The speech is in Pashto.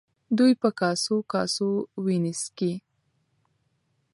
دوی په کاسو کاسو وینې څښي.